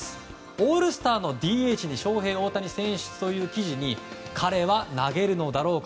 オールスターのＤＨにショウヘイ・オオタニ選出という記事に彼は投げるのだろうか？